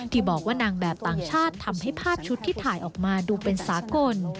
ที่บอกว่านางแบบต่างชาติทำให้ภาพชุดที่ถ่ายออกมาดูเป็นสากล